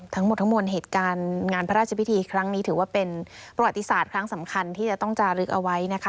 ทั้งหมดทั้งมวลเหตุการณ์งานพระราชพิธีครั้งนี้ถือว่าเป็นประวัติศาสตร์ครั้งสำคัญที่จะต้องจารึกเอาไว้นะคะ